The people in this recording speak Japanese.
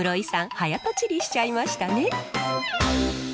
早とちりしちゃいましたね。